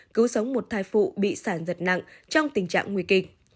cứu sống một thai phụ bị sản giật nặng trong tình trạng nguy kịch